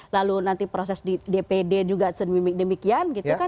lalu nanti proses di dpd juga demikian gitu kan